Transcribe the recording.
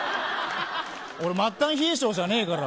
末端冷え性じゃないから。